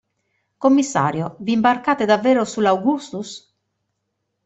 Commissario, v'imbarcate davvero sull'Augustus?